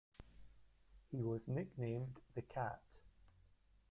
He was nicknamed The Cat.